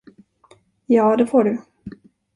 Ja, det får du.